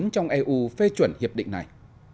trong eu phê chuẩn hiệp định này